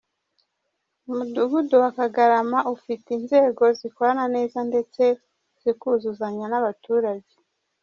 Umudugudu wa Kagarama ufite inzego zikorana neza ndetse zikuzuzanya n’abaturage.